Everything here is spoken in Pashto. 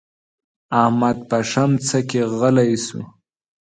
احمد په ښمڅه کې غلی شو.